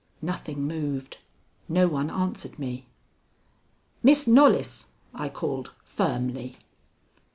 Nothing moved. No one answered me. "Miss Knollys!" I called firmly.